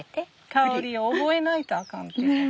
香りを覚えないとあかん。